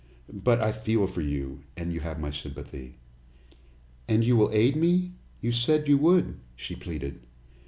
But I feel for you and you have my sympathy." "And you will aid me? You said you would," she pleaded.